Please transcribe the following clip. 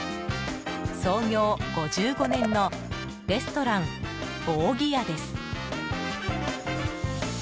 創業５５年のレストラン扇屋です。